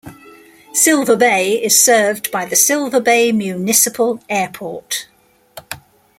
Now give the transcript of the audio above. Silver Bay is served by the Silver Bay Municipal Airport.